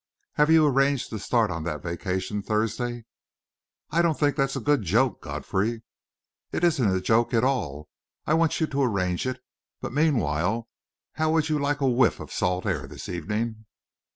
"Have you arranged to start on that vacation Thursday?" "I don't think that's a good joke, Godfrey." "It isn't a joke at all. I want you to arrange it. But meanwhile, how would you like a whiff of salt air this evening?"